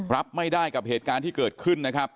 รับไม่ได้กับเหตุการณ์ที่เกิดขึ้นนะครับ